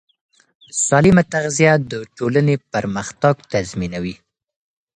سالمه تغذیه د ټولنې پرمختګ تضمینوي.